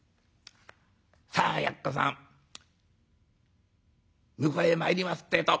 さあやっこさん向こうへ参りますってえと。